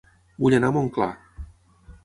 Vull anar a Montclar